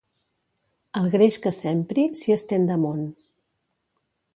El greix que s'empri s'hi estén damunt.